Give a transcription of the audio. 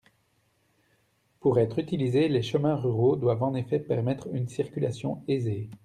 Pour être utilisés, les chemins ruraux doivent en effet permettre une circulation aisée.